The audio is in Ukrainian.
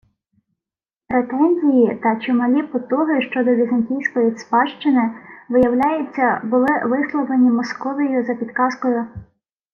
Претензії та чималі потуги щодо візантійської спадщини, виявляється, були висловлені Московією за підказкою